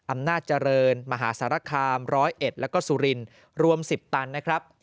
อำนาจเจริญมหาสารคาม๑๐๑แล้วก็สุรินรวม๑๐ตันนะครับ